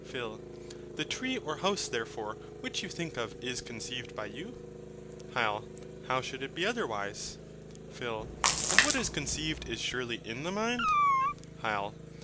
PHIL. The tree or house therefore which you think of is conceived by you? HYL. How should it be otherwise? PHIL. And what is conceived is surely in the mind? HYL.